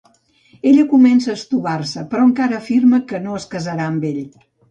Ella comença a estovar-se, però encara afirma que no es casarà amb ell.